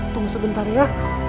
tunggu sebentar ya